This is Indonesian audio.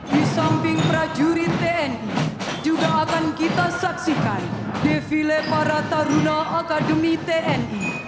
di samping prajurit tni juga akan kita saksikan defile para taruna akademi tni